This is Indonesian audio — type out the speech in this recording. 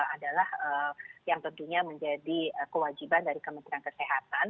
adalah yang tentunya menjadi kewajiban dari kementerian kesehatan